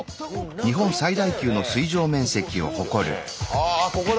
あここだ。